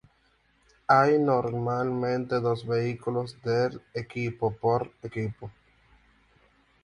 Hay normalmente dos vehículos del equipo por equipo.